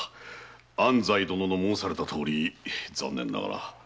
安西殿の申されたとおり残念ながら。